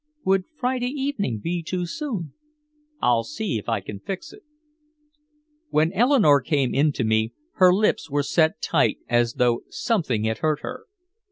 "Would Friday evening be too soon?" "I'll see if I can fix it." When Eleanore came in to me, her lips were set tight as though something had hurt her.